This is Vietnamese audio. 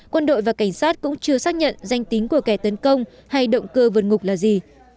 quân đội và cảnh sát cũng chưa xác nhận danh tính của kẻ tấn công hay động cơ vượt ngục là gì